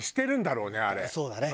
そうだね。